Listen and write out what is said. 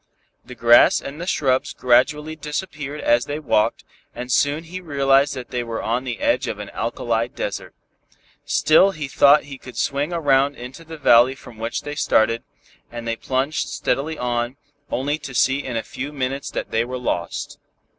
The grass and the shrubs gradually disappeared as they walked, and soon he realized that they were on the edge of an alkali desert. Still he thought he could swing around into the valley from which they started, and they plunged steadily on, only to see in a few minutes that they were lost.